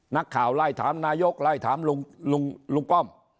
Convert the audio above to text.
นักข่าวไล่ถามนายกไล่ถามลุงป้อม